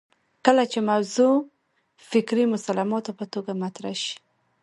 کله چې موضوع فکري مسلماتو په توګه مطرح شوه